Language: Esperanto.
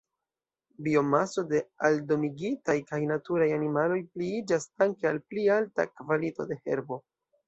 Biomaso de aldomigitaj kaj naturaj animaloj pliiĝas danke al pli alta kvalito de herbo.